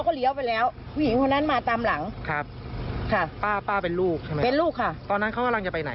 คือว่าเข้ามาจากเส้นไหนค่ะมอเตอร์ไซค์